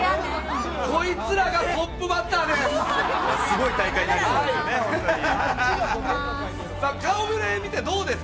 こいつらがトップバッターです。